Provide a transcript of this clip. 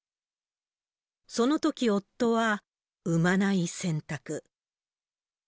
そのとき夫は、産まない選択。